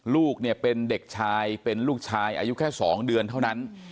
ลูกเนี่ยเป็นเด็กชายเป็นลูกชายอายุแค่๒เดือนเท่านั้น